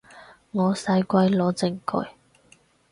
我使鬼攞證據